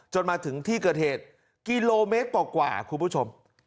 จนมาถึงที่เกิดเหตุกิโลเมตรกว่ากว่าครับคุณผู้ชม